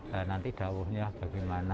dan nanti daunnya bagaimana